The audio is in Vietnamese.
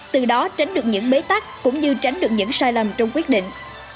từ đó tránh được những bế tắc cũng như tránh được những sai lầm trong quyết định